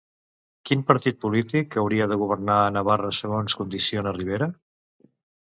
Quin partit polític hauria de governar a Navarra segons condiciona Rivera?